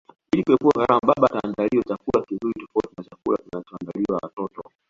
Ili kuepuka gharama baba ataandaliwa chakula kizuri tofauti na chakula walichoandaliwa watoto